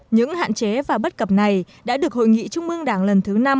những hạn chế và bất cập này đã được hội nghị trung mương đảng lần thứ năm